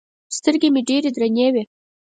سترګې مې ډېرې درنې وې.